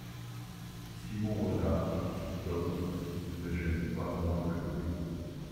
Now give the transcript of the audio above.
Simon Renard Cet homme ne me gêne pas moins que vous.